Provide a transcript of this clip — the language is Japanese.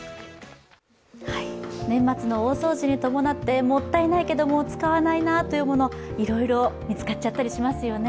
年末の大掃除に伴って、もったいないけれど使わないなというもの、いろいろ見つかっちゃったりしますよね。